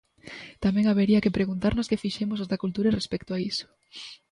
Tamén habería que preguntarnos que fixemos os da cultura respecto a iso.